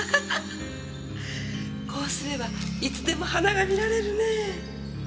こうすればいつでも花が見られるねえ。